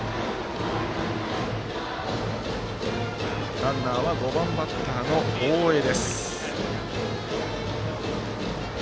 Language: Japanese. ランナーは５番バッターの大江です。